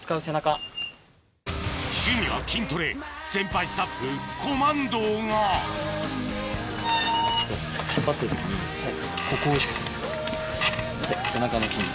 趣味は筋トレ先輩スタッフコマンドーがはい。